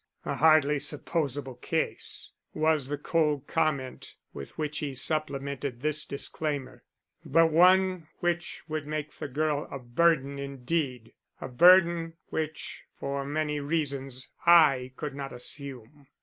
"A hardly supposable case," was the cold comment with which he supplemented this disclaimer; "but one which would make the girl a burden indeed; a burden which for many reasons I could not assume."